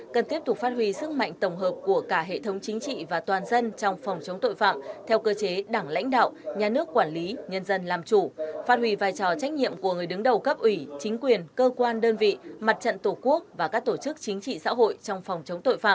cần tiếp tục phát huy sức mạnh tổng hợp của cả hệ thống chính trị và toàn dân trong phòng chống tội phạm theo cơ chế đảng lãnh đạo nhà nước quản lý nhân dân làm chủ phát huy vai trò trách nhiệm của người đứng đầu cấp ủy chính quyền cơ quan đơn vị mặt trận tổ quốc và các tổ chức chính trị xã hội trong phòng chống tội phạm